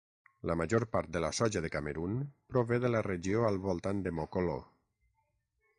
La major part de la soja de Camerun prové de la regió al voltant de Mokolo.